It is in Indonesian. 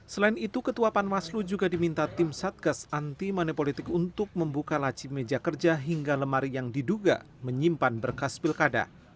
selain itu ketua panwaslu juga diminta tim satgas anti manipolitik untuk membuka lacip meja kerja hingga lemari yang diduga menyimpan berkas pilkada